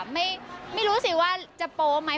ไม่รู้สิว่าจะโป๊ไหม